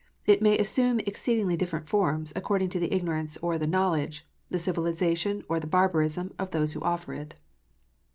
It may assume exceedingly different forms, according to the ignorance or the knowledge, the civilization or the barbarism, of those who offer it.